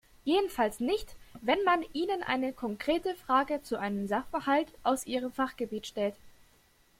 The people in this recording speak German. Jedenfalls nicht, wenn man ihnen eine konkrete Frage zu einem Sachverhalt aus ihrem Fachgebiet stellt.